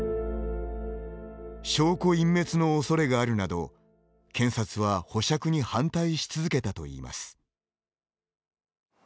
証拠隠滅の恐れがあるなど検察は保釈に反対し続けたといいます。